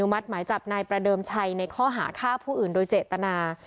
มัดหมายจับนายประเดิมชัยในข้อหาฆ่าผู้อื่นโดยเจตนา